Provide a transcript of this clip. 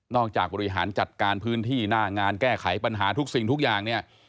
จากบริหารจัดการพื้นที่หน้างานแก้ไขปัญหาทุกสิ่งทุกอย่างเนี่ย